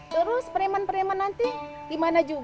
terus pereman pereman nanti di mana juga